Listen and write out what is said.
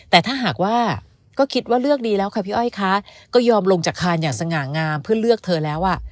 แต่ถ้าหากว่าก็คิดว่าเลือกดีแล้วค่ะพี่อ้อยคะก็ยอมลงจากคานอย่างสง่างามเพื่อเลือกเธอแล้วอ่ะ